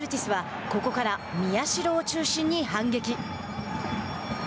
ヴォルティスはここから宮代を中心に反撃。